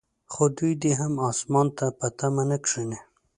خو دوی دې هم اسمان ته په تمه نه کښیني.